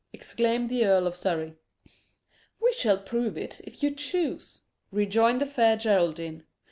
exclaimed the Earl of Surrey. "You shall prove it, if you choose," rejoined the Fair Geraldine.